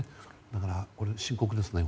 だから深刻ですね。